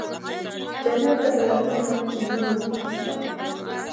جنت ته به له تانه وړم ایمان افغانستانه